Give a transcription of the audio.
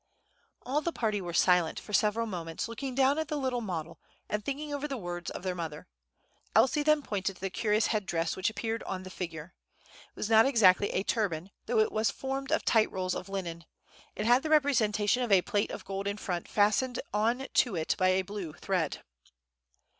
All the party were silent for several moments, looking down at the little model, and thinking over the words of their mother. Elsie then pointed to the curious head dress which appeared on the figure. It was not exactly a turban, though it was formed of tight rolls of linen. It had the representation of a plate of gold in front, fastened on to it by a blue thread.